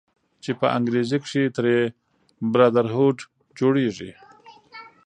چې په انګريزۍ کښې ترې Brotherhood جوړيږي